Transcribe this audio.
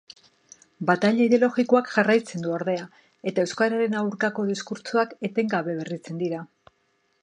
Bataila ideologikoak jarraitzen du, ordea, eta euskararen aurkako diskurtsoak etengabe berritzen dira.